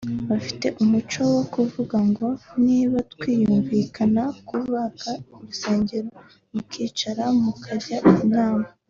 Bafite umuco wo kuvuga ngo niba twumvikanye kubaka urusengero mukicara mukajya inama